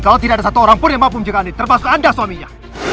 kalau tidak ada satu orang pun yang mampu menjaga andi termasuk anda suaminya